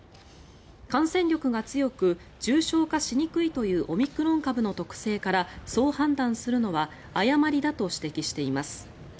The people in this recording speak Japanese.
感染力が強く重症化しにくいというオミクロン株の特性からそう判断するのは誤りだと指摘しています。